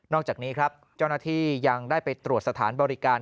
อกจากนี้ครับเจ้าหน้าที่ยังได้ไปตรวจสถานบริการ